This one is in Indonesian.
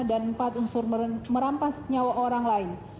dan empat unsur merampas nyawa orang lain